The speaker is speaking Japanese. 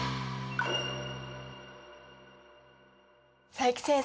佐伯先生